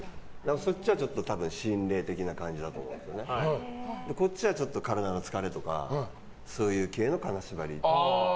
そっちは心霊的な感じだと思うんですけどこっちは体の疲れとかそういう系の金縛り。